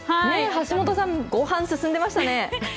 橋本さん、ごはん進んでまし